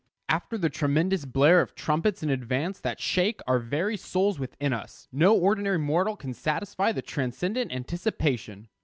After the tremendous blare of trumpets in advance that shake our very souls within us, no ordinary mortal can satisfy the transcendent anticipation.